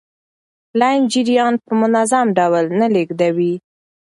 لین جریان په منظم ډول نه لیږدوي.